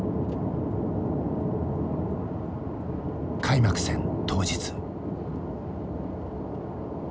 開幕戦当日。